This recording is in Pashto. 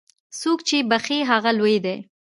څوک چې بخښي، هغه لوی دی.